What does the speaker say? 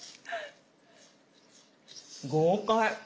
豪快。